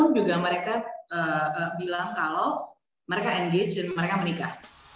dan juga mereka bilang kalau mereka engage dan mereka menikah